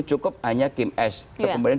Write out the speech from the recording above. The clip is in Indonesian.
cukup hanya kim s itu kemudian